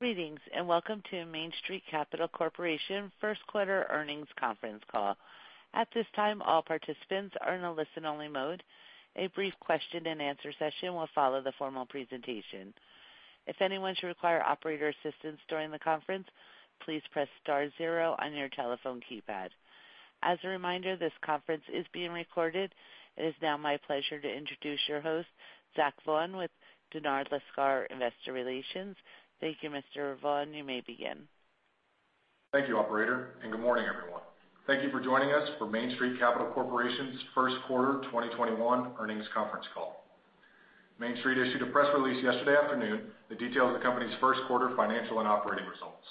Greetings, and welcome to Main Street Capital Corporation first quarter earnings conference call. At this time, all participants are in a listen-only mode. A brief question and answer session will follow the formal presentation. If anyone should require operator assistance during the conference, please press star zero on your telephone keypad. As a reminder, this conference is being recorded. It is now my pleasure to introduce your host, Zach Vaughan, with Dennard Lascar Investor Relations. Thank you, Mr. Vaughan. You may begin. Thank you, operator, and good morning, everyone. Thank you for joining us for Main Street Capital Corporation's first quarter 2021 earnings conference call. Main Street issued a press release yesterday afternoon that details the company's first quarter financial and operating results.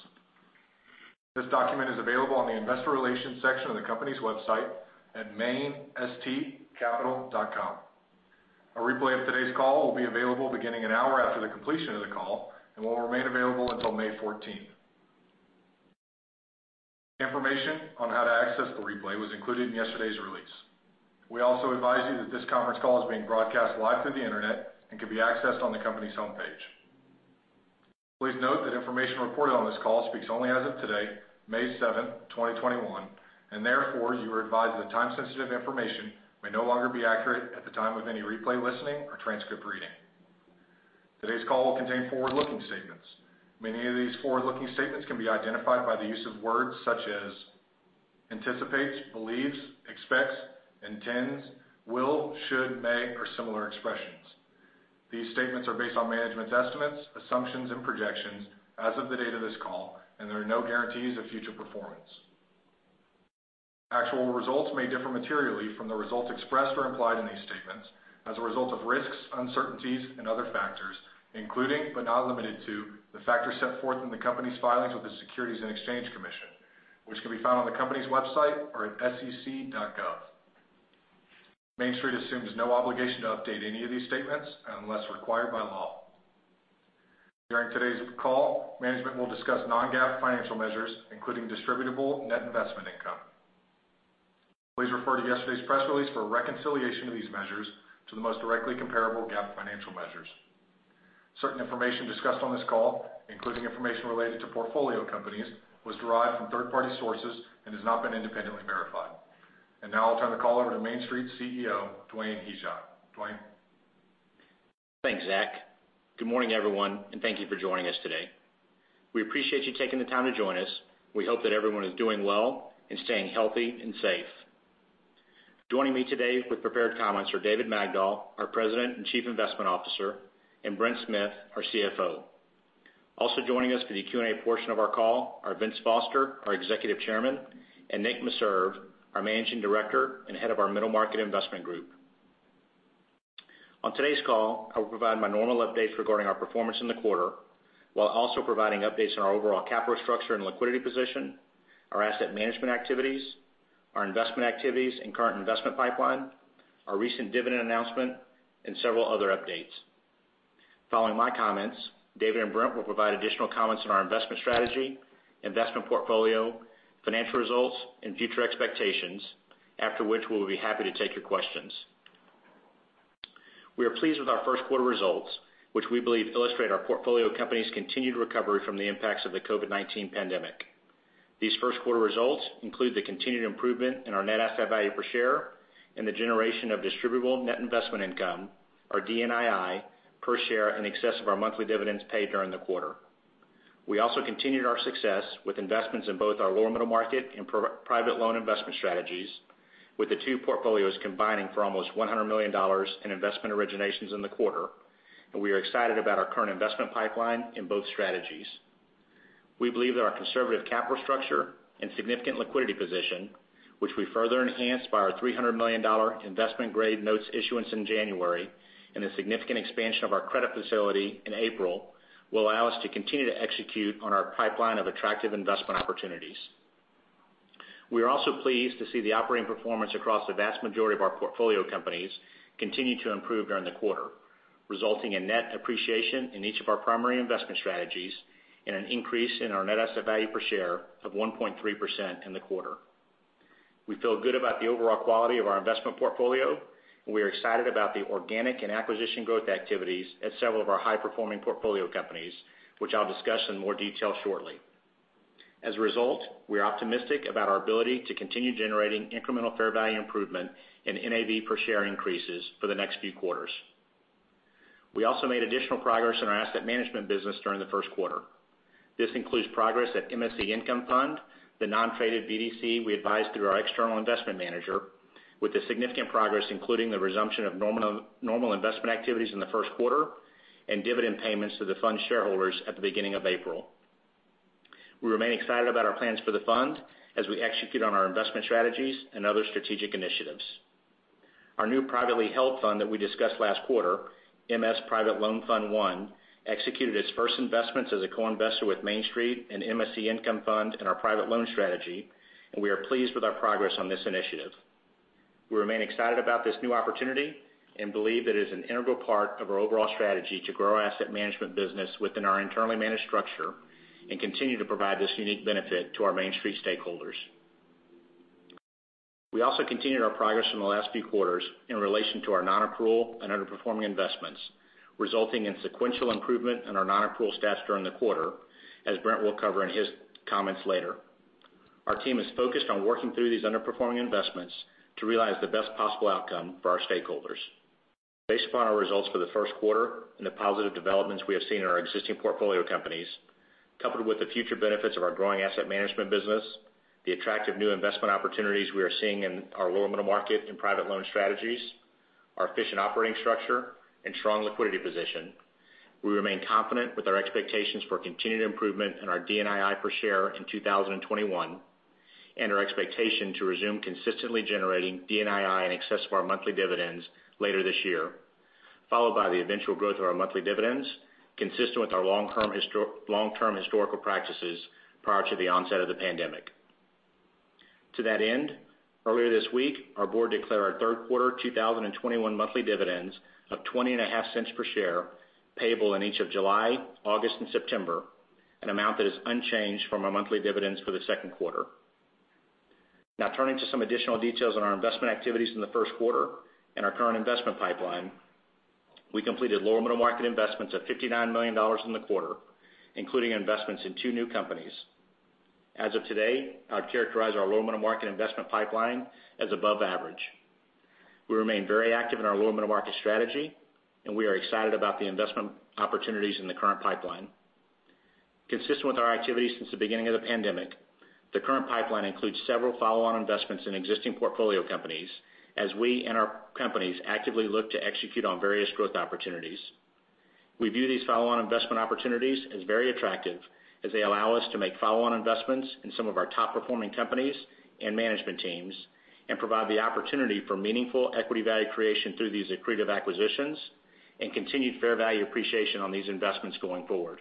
This document is available on the investor relations section of the company's website at mainstcapital.com. A replay of today's call will be available beginning an hour after the completion of the call and will remain available until May 14th. Information on how to access the replay was included in yesterday's release. We also advise you that this conference call is being broadcast live through the internet and can be accessed on the company's homepage. Please note that information reported on this call speaks only as of today, May 7th, 2021, and therefore, you are advised that time-sensitive information may no longer be accurate at the time of any replay listening or transcript reading. Today's call will contain forward-looking statements. Many of these forward-looking statements can be identified by the use of words such as anticipates, believes, expects, intends, will, should, may, or similar expressions. These statements are based on management's estimates, assumptions and projections as of the date of this call, and there are no guarantees of future performance. Actual results may differ materially from the results expressed or implied in these statements as a result of risks, uncertainties and other factors, including, but not limited to, the factors set forth in the company's filings with the Securities and Exchange Commission, which can be found on the company's website or at sec.gov. Main Street assumes no obligation to update any of these statements unless required by law. During today's call, management will discuss non-GAAP financial measures, including distributable net investment income. Please refer to yesterday's press release for a reconciliation of these measures to the most directly comparable GAAP financial measures. Certain information discussed on this call, including information related to portfolio companies, was derived from third-party sources and has not been independently verified. Now I'll turn the call over to Main Street CEO, Dwayne Hyzak. Dwayne? Thanks, Zach. Good morning, everyone, and thank you for joining us today. We appreciate you taking the time to join us. We hope that everyone is doing well and staying healthy and safe. Joining me today with prepared comments are David Magdol, our President and Chief Investment Officer, and Brent Smith, our CFO. Also joining us for the Q&A portion of our call are Vincent Foster, our Executive Chairman, and Nicholas Meserve, our Managing Director and Head of our Middle Market Investment Group. On today's call, I will provide my normal updates regarding our performance in the quarter, while also providing updates on our overall capital structure and liquidity position, our asset management activities, our investment activities and current investment pipeline, our recent dividend announcement, and several other updates. Following my comments, David and Brent will provide additional comments on our investment strategy, investment portfolio, financial results and future expectations, after which we will be happy to take your questions. We are pleased with our first quarter results, which we believe illustrate our portfolio companies' continued recovery from the impacts of the COVID-19 pandemic. These first quarter results include the continued improvement in our net asset value per share and the generation of distributable net investment income, or DNII, per share in excess of our monthly dividends paid during the quarter. We also continued our success with investments in both our lower middle market and private loan investment strategies, with the two portfolios combining for almost $100 million in investment originations in the quarter, and we are excited about our current investment pipeline in both strategies. We believe that our conservative capital structure and significant liquidity position, which we further enhanced by our $300 million investment grade notes issuance in January, and the significant expansion of our credit facility in April, will allow us to continue to execute on our pipeline of attractive investment opportunities. We are also pleased to see the operating performance across the vast majority of our portfolio companies continue to improve during the quarter, resulting in net appreciation in each of our primary investment strategies and an increase in our net asset value per share of 1.3% in the quarter. We feel good about the overall quality of our investment portfolio, and we are excited about the organic and acquisition growth activities at several of our high-performing portfolio companies, which I'll discuss in more detail shortly. As a result, we are optimistic about our ability to continue generating incremental fair value improvement and NAV per share increases for the next few quarters. We also made additional progress in our asset management business during the first quarter. This includes progress at MSC Income Fund, the non-traded BDC we advise through our external investment manager, with the significant progress including the resumption of normal investment activities in the first quarter and dividend payments to the fund shareholders at the beginning of April. We remain excited about our plans for the fund as we execute on our investment strategies and other strategic initiatives. Our new privately held fund that we discussed last quarter, MS Private Loan Fund I, executed its first investments as a co-investor with Main Street and MSC Income Fund and our private loan strategy, and we are pleased with our progress on this initiative. We remain excited about this new opportunity and believe it is an integral part of our overall strategy to grow our asset management business within our internally managed structure and continue to provide this unique benefit to our Main Street stakeholders. We also continued our progress from the last few quarters in relation to our non-accrual and underperforming investments, resulting in sequential improvement in our non-accrual stats during the quarter, as Brent will cover in his comments later. Our team is focused on working through these underperforming investments to realize the best possible outcome for our stakeholders. Based upon our results for the first quarter and the positive developments we have seen in our existing portfolio companies, coupled with the future benefits of our growing asset management business, the attractive new investment opportunities we are seeing in our lower middle market and private loan strategies, our efficient operating structure, and strong liquidity position, we remain confident with our expectations for continued improvement in our DNII per share in 2021 and our expectation to resume consistently generating DNII in excess of our monthly dividends later this year, followed by the eventual growth of our monthly dividends consistent with our long-term historical practices prior to the onset of the pandemic. To that end, earlier this week, our board declared our third quarter 2021 monthly dividends of $0.205 per share, payable in each of July, August, and September, an amount that is unchanged from our monthly dividends for the second quarter. Now turning to some additional details on our investment activities in the first quarter and our current investment pipeline. We completed lower middle market investments of $59 million in the quarter, including investments in two new companies. As of today, I'd characterize our lower middle market investment pipeline as above average. We remain very active in our lower middle market strategy, and we are excited about the investment opportunities in the current pipeline. Consistent with our activities since the beginning of the pandemic, the current pipeline includes several follow-on investments in existing portfolio companies as we and our companies actively look to execute on various growth opportunities. We view these follow-on investment opportunities as very attractive as they allow us to make follow-on investments in some of our top-performing companies and management teams and provide the opportunity for meaningful equity value creation through these accretive acquisitions and continued fair value appreciation on these investments going forward.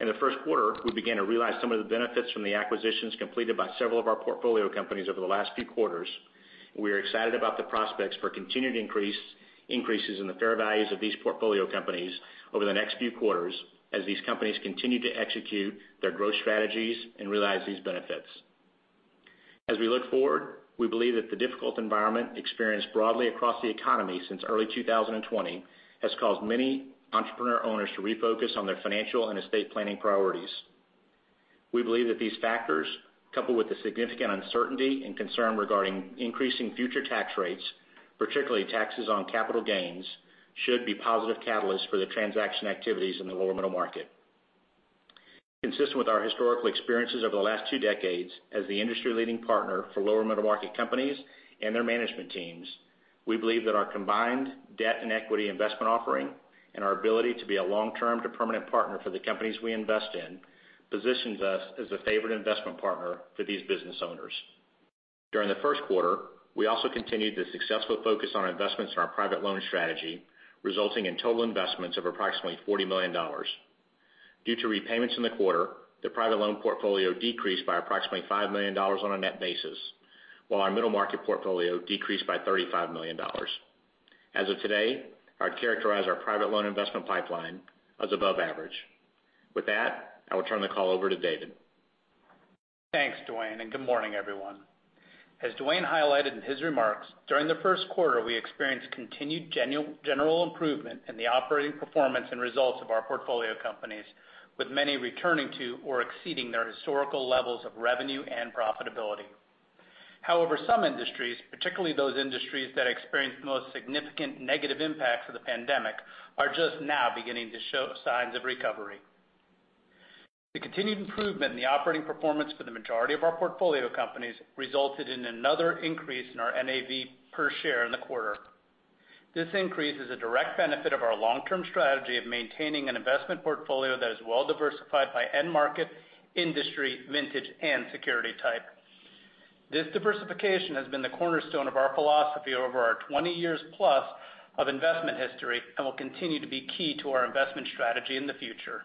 In the first quarter, we began to realize some of the benefits from the acquisitions completed by several of our portfolio companies over the last few quarters. We are excited about the prospects for continued increases in the fair values of these portfolio companies over the next few quarters as these companies continue to execute their growth strategies and realize these benefits. As we look forward, we believe that the difficult environment experienced broadly across the economy since early 2020 has caused many entrepreneur owners to refocus on their financial and estate planning priorities. We believe that these factors, coupled with the significant uncertainty and concern regarding increasing future tax rates, particularly taxes on capital gains, should be positive catalysts for the transaction activities in the lower middle market. Consistent with our historical experiences over the last two decades as the industry-leading partner for lower middle market companies and their management teams, we believe that our combined debt and equity investment offering and our ability to be a long-term to permanent partner for the companies we invest in positions us as a favorite investment partner for these business owners. During the first quarter, we also continued the successful focus on investments in our private loan strategy, resulting in total investments of approximately $40 million. Due to repayments in the quarter, the private loan portfolio decreased by approximately $5 million on a net basis, while our middle market portfolio decreased by $35 million. As of today, I'd characterize our private loan investment pipeline as above average. With that, I will turn the call over to David. Thanks, Dwayne, and good morning, everyone. As Dwayne highlighted in his remarks, during the first quarter, we experienced continued general improvement in the operating performance and results of our portfolio companies, with many returning to or exceeding their historical levels of revenue and profitability. However, some industries, particularly those industries that experienced the most significant negative impacts of the pandemic, are just now beginning to show signs of recovery. The continued improvement in the operating performance for the majority of our portfolio companies resulted in another increase in our NAV per share in the quarter. This increase is a direct benefit of our long-term strategy of maintaining an investment portfolio that is well-diversified by end market, industry, vintage, and security type. This diversification has been the cornerstone of our philosophy over our 20-plus years of investment history and will continue to be key to our investment strategy in the future.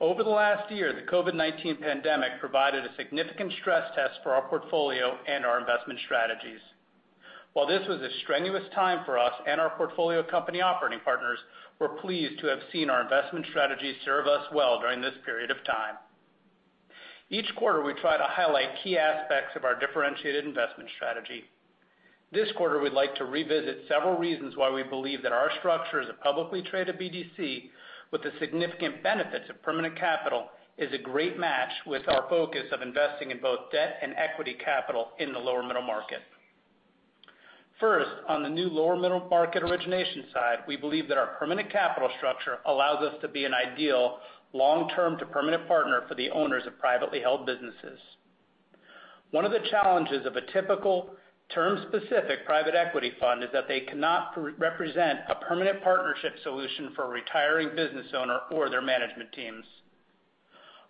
Over the last year, the COVID-19 pandemic provided a significant stress test for our portfolio and our investment strategies. While this was a strenuous time for us and our portfolio company operating partners, we're pleased to have seen our investment strategy serve us well during this period of time. Each quarter, we try to highlight key aspects of our differentiated investment strategy. This quarter, we'd like to revisit several reasons why we believe that our structure as a publicly traded BDC with the significant benefits of permanent capital is a great match with our focus of investing in both debt and equity capital in the lower middle market. First, on the new lower middle market origination side, we believe that our permanent capital structure allows us to be an ideal long-term to permanent partner for the owners of privately held businesses. One of the challenges of a typical term-specific private equity fund is that they cannot represent a permanent partnership solution for a retiring business owner or their management teams.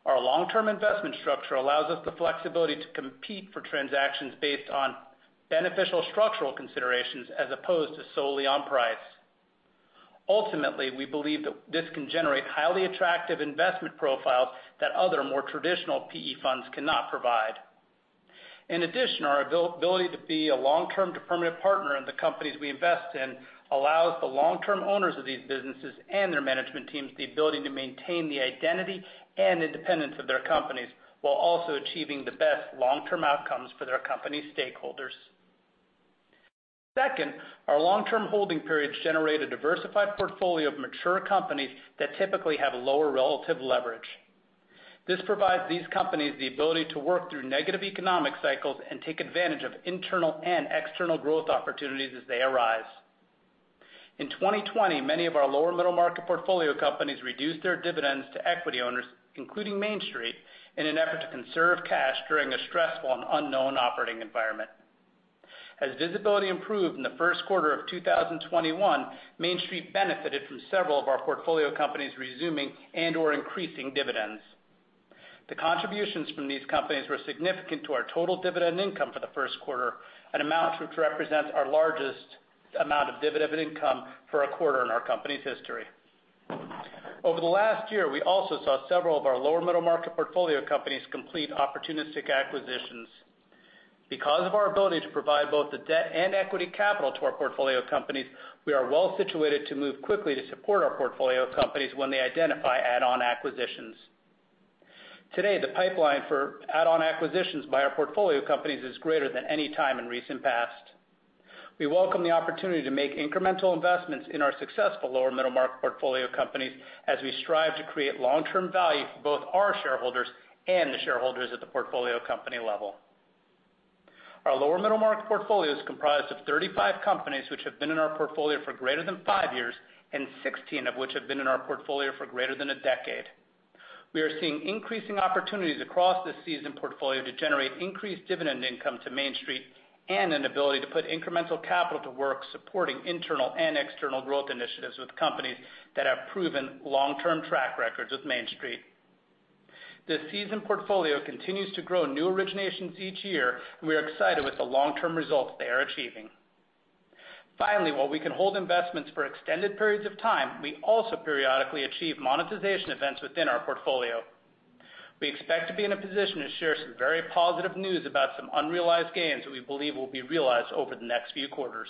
Our long-term investment structure allows us the flexibility to compete for transactions based on beneficial structural considerations as opposed to solely on price. Ultimately, we believe that this can generate highly attractive investment profiles that other more traditional PE funds cannot provide. In addition, our ability to be a long-term to permanent partner in the companies we invest in allows the long-term owners of these businesses and their management teams the ability to maintain the identity and independence of their companies while also achieving the best long-term outcomes for their company stakeholders. Second, our long-term holding periods generate a diversified portfolio of mature companies that typically have lower relative leverage. This provides these companies the ability to work through negative economic cycles and take advantage of internal and external growth opportunities as they arise. In 2020, many of our lower middle market portfolio companies reduced their dividends to equity owners, including Main Street, in an effort to conserve cash during a stressful and unknown operating environment. As visibility improved in the first quarter of 2021, Main Street benefited from several of our portfolio companies resuming and/or increasing dividends. The contributions from these companies were significant to our total dividend income for the first quarter, an amount which represents our largest amount of dividend income for a quarter in our company's history. Over the last year, we also saw several of our lower middle market portfolio companies complete opportunistic acquisitions. Because of our ability to provide both the debt and equity capital to our portfolio companies, we are well situated to move quickly to support our portfolio companies when they identify add-on acquisitions. Today, the pipeline for add-on acquisitions by our portfolio companies is greater than any time in recent past. We welcome the opportunity to make incremental investments in our successful lower middle market portfolio companies as we strive to create long-term value for both our shareholders and the shareholders at the portfolio company level. Our lower middle market portfolio is comprised of 35 companies, which have been in our portfolio for greater than five years, and 16 of which have been in our portfolio for greater than a decade. We are seeing increasing opportunities across this seasoned portfolio to generate increased dividend income to Main Street, and an ability to put incremental capital to work supporting internal and external growth initiatives with companies that have proven long-term track records with Main Street. This seasoned portfolio continues to grow new originations each year, and we are excited with the long-term results they are achieving. Finally, while we can hold investments for extended periods of time, we also periodically achieve monetization events within our portfolio. We expect to be in a position to share some very positive news about some unrealized gains that we believe will be realized over the next few quarters.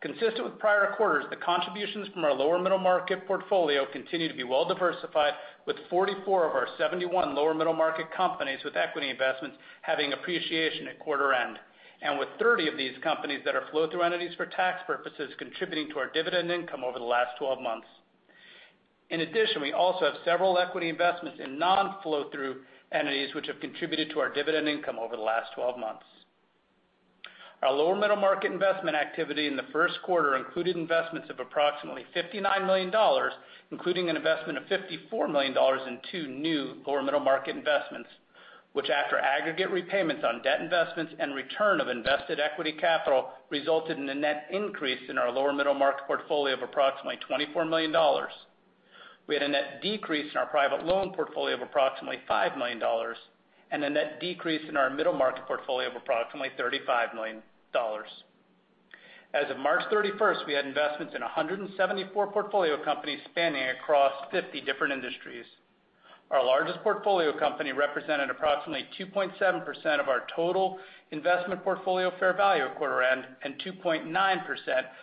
Consistent with prior quarters, the contributions from our lower middle market portfolio continue to be well-diversified, with 44 of our 71 lower middle market companies with equity investments having appreciation at quarter end, and with 30 of these companies that are flow-through entities for tax purposes contributing to our dividend income over the last 12 months. In addition, we also have several equity investments in non-flow-through entities, which have contributed to our dividend income over the last 12 months. Our lower middle market investment activity in the first quarter included investments of approximately $59 million, including an investment of $54 million in two new lower middle market investments, which after aggregate repayments on debt investments and return of invested equity capital, resulted in a net increase in our lower middle market portfolio of approximately $24 million. We had a net decrease in our private loan portfolio of approximately $5 million, and a net decrease in our middle market portfolio of approximately $35 million. As of March 31st, we had investments in 174 portfolio companies spanning across 50 different industries. Our largest portfolio company represented approximately 2.7% of our total investment portfolio fair value at quarter end, and 2.9%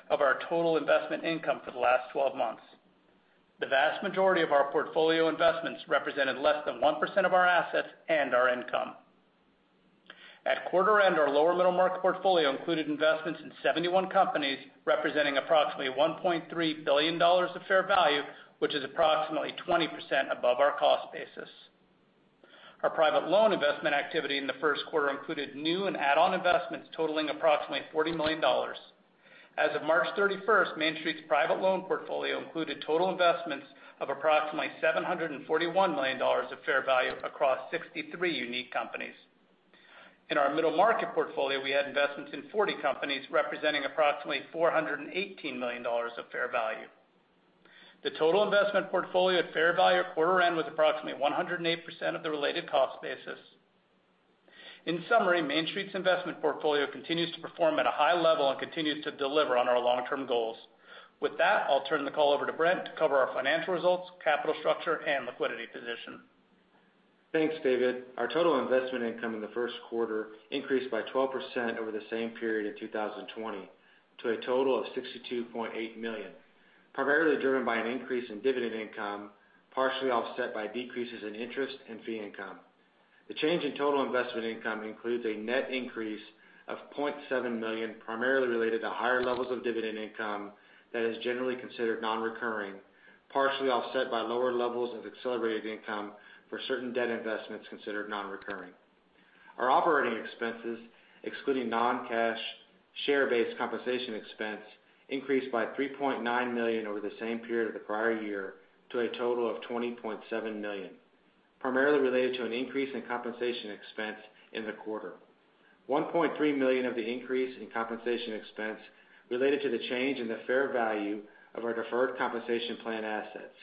of our total investment income for the last 12 months. The vast majority of our portfolio investments represented less than 1% of our assets and our income. At quarter end, our lower middle market portfolio included investments in 71 companies, representing approximately $1.3 billion of fair value, which is approximately 20% above our cost basis. Our private loan investment activity in the first quarter included new and add-on investments totaling approximately $40 million. As of March 31st, Main Street's private loan portfolio included total investments of approximately $741 million of fair value across 63 unique companies. In our middle market portfolio, we had investments in 40 companies representing approximately $418 million of fair value. The total investment portfolio at fair value at quarter end was approximately 108% of the related cost basis. In summary, Main Street's investment portfolio continues to perform at a high level and continues to deliver on our long-term goals. With that, I'll turn the call over to Brent to cover our financial results, capital structure and liquidity position. Thanks, David. Our total investment income in the first quarter increased by 12% over the same period in 2020 to a total of $62.8 million, primarily driven by an increase in dividend income, partially offset by decreases in interest and fee income. The change in total investment income includes a net increase of $0.7 million, primarily related to higher levels of dividend income that is generally considered non-recurring, partially offset by lower levels of accelerated income for certain debt investments considered non-recurring. Our operating expenses, excluding non-cash share-based compensation expense, increased by $3.9 million over the same period of the prior year to a total of $20.7 million, primarily related to an increase in compensation expense in the quarter. $1.3 million of the increase in compensation expense related to the change in the fair value of our deferred compensation plan assets,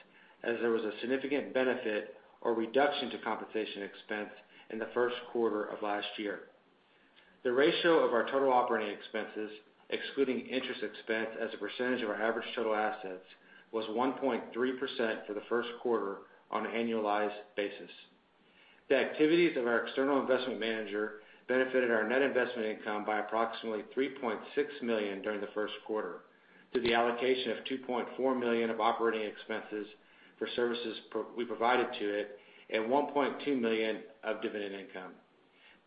as there was a significant benefit or reduction to compensation expense in the first quarter of last year. The ratio of our total operating expenses, excluding interest expense as a percentage of our average total assets, was 1.3% for the first quarter on an annualized basis. The activities of our external investment manager benefited our net investment income by approximately $3.6 million during the first quarter. To the allocation of $2.4 million of operating expenses for services we provided to it and $1.2 million of dividend income.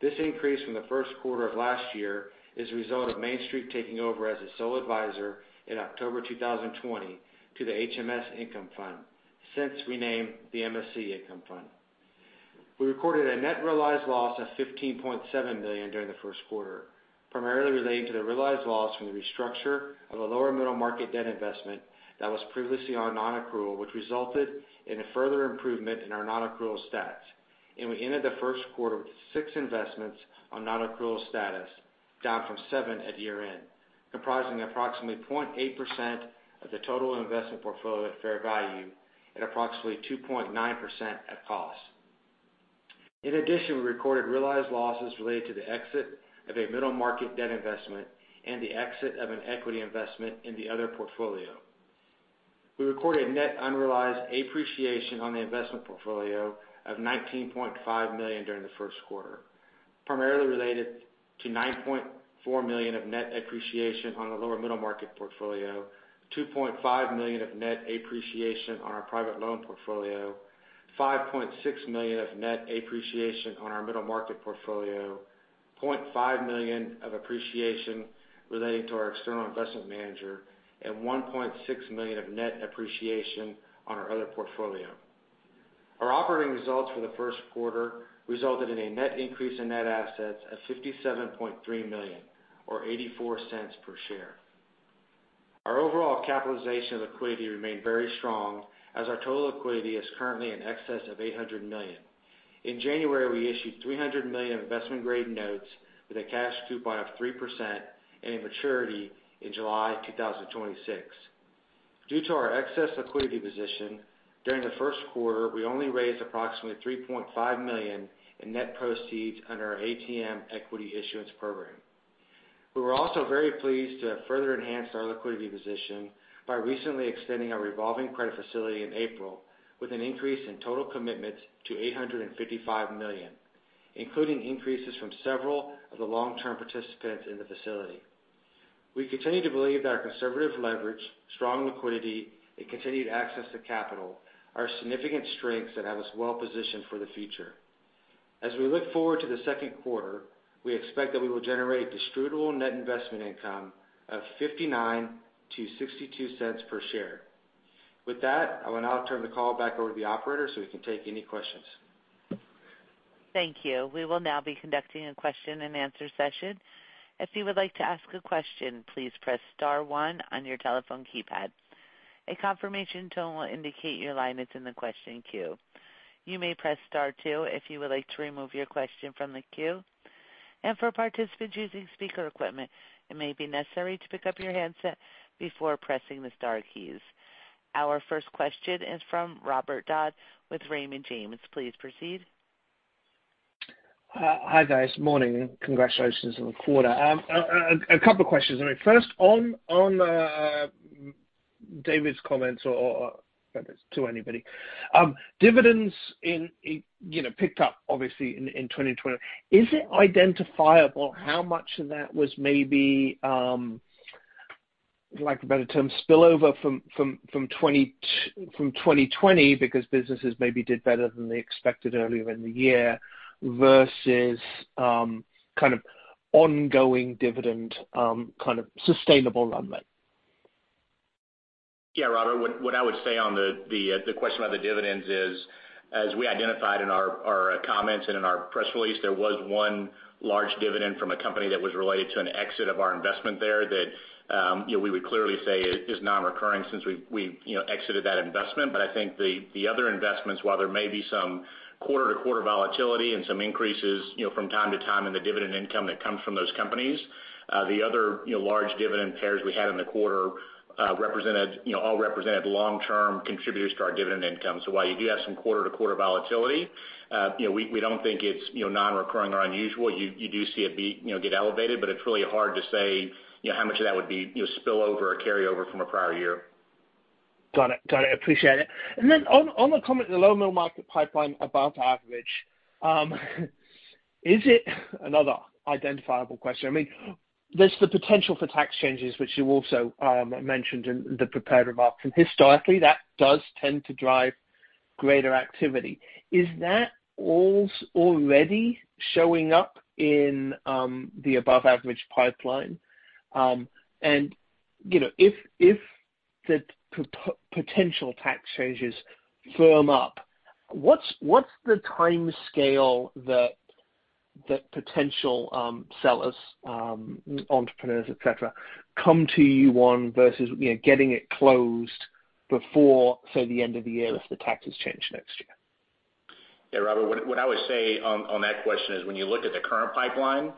This increase from the first quarter of last year is a result of Main Street taking over as a sole advisor in October 2020 to the HMS Income Fund, since renamed the MSC Income Fund. We recorded a net realized loss of $15.7 million during the first quarter, primarily relating to the realized loss from the restructure of a lower middle market debt investment that was previously on non-accrual, which resulted in a further improvement in our non-accrual stats. We ended the first quarter with six investments on non-accrual status, down from seven at year-end, comprising approximately 0.8% of the total investment portfolio at fair value and approximately 2.9% at cost. In addition, we recorded realized losses related to the exit of a middle market debt investment and the exit of an equity investment in the other portfolio. We recorded net unrealized appreciation on the investment portfolio of $19.5 million during the first quarter, primarily related to $9.4 million of net appreciation on the lower middle market portfolio, $2.5 million of net appreciation on our private loan portfolio, $5.6 million of net appreciation on our middle market portfolio, $0.5 million of appreciation relating to our external investment manager, and $1.6 million of net appreciation on our other portfolio. Our operating results for the first quarter resulted in a net increase in net assets of $57.3 million, or $0.84 per share. Our overall capitalization liquidity remained very strong as our total liquidity is currently in excess of $800 million. In January, we issued $300 million investment-grade notes with a cash coupon of 3% and a maturity in July 2026. Due to our excess liquidity position, during the first quarter, we only raised approximately $3.5 million in net proceeds under our ATM equity issuance program. We were also very pleased to have further enhanced our liquidity position by recently extending our revolving credit facility in April with an increase in total commitments to $855 million, including increases from several of the long-term participants in the facility. We continue to believe that our conservative leverage, strong liquidity, and continued access to capital are significant strengths that have us well positioned for the future. As we look forward to the second quarter, we expect that we will generate distributable net investment income of $0.59-$0.62 per share. With that, I will now turn the call back over to the operator so we can take any questions. Thank you. We will now be conducting a question and answer session. Our first question is from Robert Dodd with Raymond James. Please proceed. Hi, guys. Morning. Congratulations on the quarter. A couple of questions. First, on David's comments or to anybody. Dividends picked up obviously in 2020. Is it identifiable how much of that was maybe, for lack of a better term, spillover from 2020 because businesses maybe did better than they expected earlier in the year versus ongoing dividend sustainable runway? Yeah, Robert, what I would say on the question about the dividends is, as we identified in our comments and in our press release, there was one large dividend from a company that was related to an exit of our investment there that we would clearly say is non-recurring since we exited that investment. I think the other investments, while there may be some quarter-to-quarter volatility and some increases from time to time in the dividend income that comes from those companies, the other large dividend payers we had in the quarter all represented long-term contributors to our dividend income. While you do have some quarter-to-quarter volatility, we don't think it's non-recurring or unusual. You do see it get elevated, but it's really hard to say how much of that would be spillover or carryover from a prior year. Got it. Appreciate it. On the comment, the lower middle market pipeline above average. Is it another identifiable question? There's the potential for tax changes, which you also mentioned in the prepared remarks, and historically, that does tend to drive greater activity. Is that already showing up in the above-average pipeline? If the potential tax changes firm up, what's the timescale that potential sellers, entrepreneurs, et cetera, come to you on versus getting it closed before, say, the end of the year if the taxes change next year? Yeah, Robert, what I would say on that question is when you look at the current pipeline.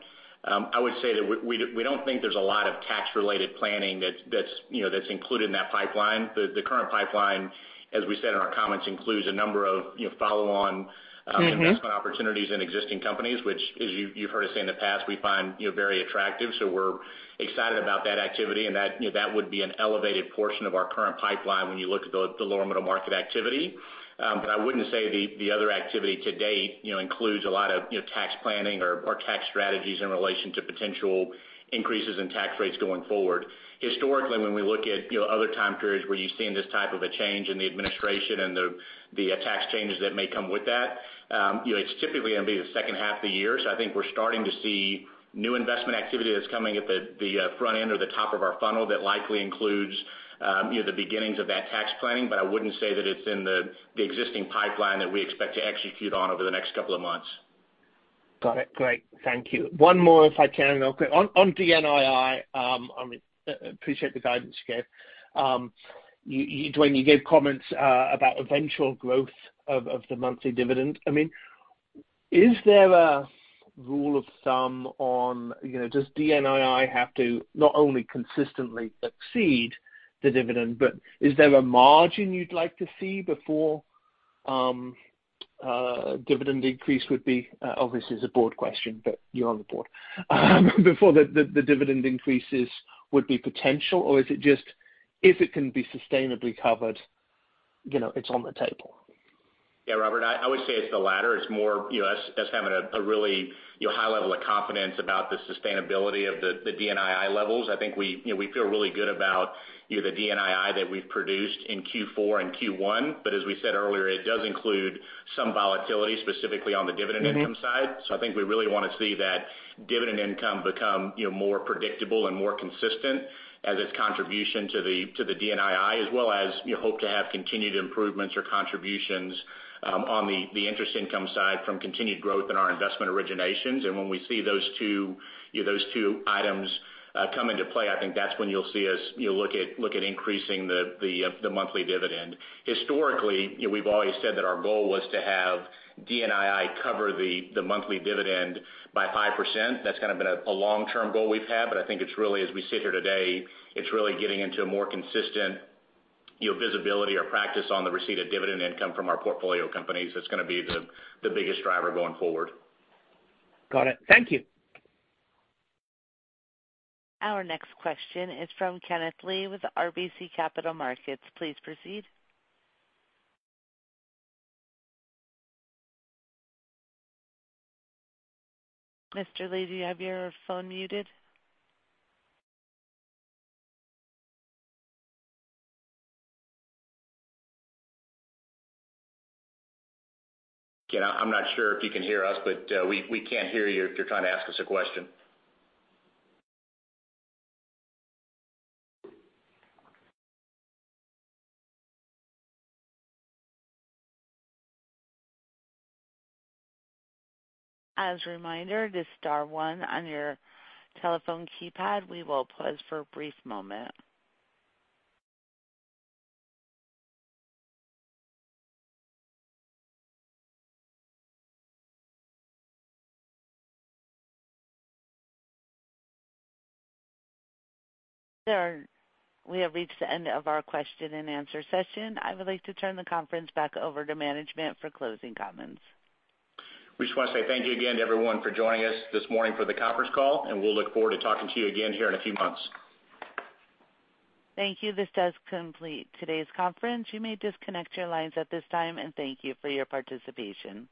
I would say that we don't think there's a lot of tax-related planning that's included in that pipeline. The current pipeline, as we said in our comments, includes a number of follow-on investment opportunities in existing companies, which, as you've heard us say in the past, we find very attractive. We're excited about that activity, and that would be an elevated portion of our current pipeline when you look at the lower middle market activity. I wouldn't say the other activity to date includes a lot of tax planning or tax strategies in relation to potential increases in tax rates going forward. Historically, when we look at other time periods where you've seen this type of a change in the administration and the tax changes that may come with that, it's typically going to be the second half of the year. I think we're starting to see new investment activity that's coming at the front end or the top of our funnel that likely includes the beginnings of that tax planning. I wouldn't say that it's in the existing pipeline that we expect to execute on over the next couple of months. Got it. Great. Thank you. One more, if I can, real quick. On DNII, I appreciate the guidance you gave. Dwayne, you gave comments about eventual growth of the monthly dividend. Is there a rule of thumb on, does DNII have to not only consistently exceed the dividend, but is there a margin you'd like to see before a dividend increase would be potential, obviously, this is a board question, but you're on the board, or is it just if it can be sustainably covered, it's on the table? Yeah, Robert, I would say it's the latter. It's more us having a really high level of confidence about the sustainability of the DNII levels. I think we feel really good about the DNII that we've produced in Q4 and Q1. As we said earlier, it does include some volatility, specifically on the dividend income side. I think we really want to see that dividend income become more predictable and more consistent as its contribution to the DNII, as well as hope to have continued improvements or contributions on the interest income side from continued growth in our investment originations. When we see those two items come into play, I think that's when you'll see us look at increasing the monthly dividend. Historically, we've always said that our goal was to have DNII cover the monthly dividend by 5%. That's kind of been a long-term goal we've had. I think it's really, as we sit here today, it's really getting into a more consistent visibility or practice on the receipt of dividend income from our portfolio companies that's going to be the biggest driver going forward. Got it. Thank you. Our next question is from Kenneth Lee with RBC Capital Markets. Please proceed. Mr. Lee, do you have your phone muted? Ken, I'm not sure if you can hear us, but we can't hear you if you're trying to ask us a question. As a reminder, to star one on your telephone keypad. We will pause for a brief moment. We have reached the end of our question and answer session. I would like to turn the conference back over to management for closing comments. We just want to say thank you again to everyone for joining us this morning for the conference call, and we'll look forward to talking to you again here in a few months. Thank you. This does complete today's conference. You may disconnect your lines at this time, and thank you for your participation.